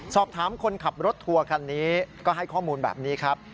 สอบถามคนขับรถทัวร์คันนี้ก็ให้ข้อมูลแบบนี้ครับ